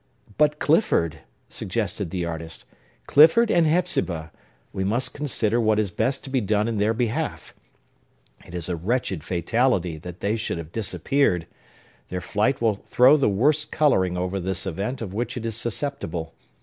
"But Clifford!" suggested the artist. "Clifford and Hepzibah! We must consider what is best to be done in their behalf. It is a wretched fatality that they should have disappeared! Their flight will throw the worst coloring over this event of which it is susceptible.